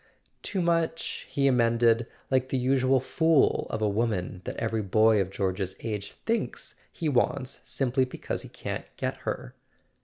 "Too much," he emended, "like the usual fool of a woman that every boy of George's age thinks he wants simply because he can't get her."